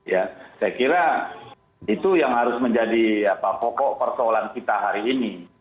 ya saya kira itu yang harus menjadi pokok persoalan kita hari ini